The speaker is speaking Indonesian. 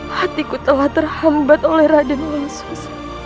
hatiku telah terhambat oleh raden yesus